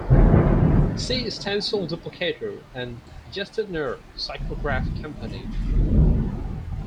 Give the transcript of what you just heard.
See stencil duplicator and Gestetner Cyclograph Company.